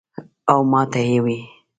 او ماته ئې وې ـ "